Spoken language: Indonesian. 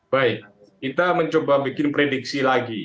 baik kita mencoba bikin prediksi lagi